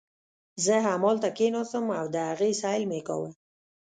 زه همالته کښېناستم او د هغې سیل مې کاوه.